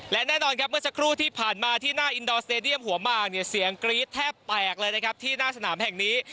และแน่นอนครับเมื่อสักครู่ที่ผ่านมาที่หน้าอินดอร์สเตดียมหัวมากเนี่ยเสียงกรี๊ดแทบแตกเลยนะครับที่หน้าสนามแห่งนี้